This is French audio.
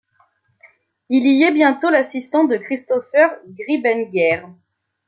Il y est bientôt l’assistant de Christopher Grienberger.